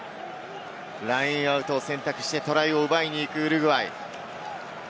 ラインアウトを選択してトライを奪いに行く、ウルグアイ。